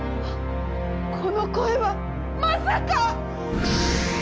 この声はまさか！